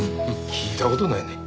聞いた事ないね。